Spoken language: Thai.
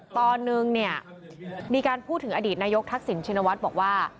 ตอนหนึ่งมีการพูดถึงอดีตนายกทักศิลป์ชินวัฒน์บอกว่า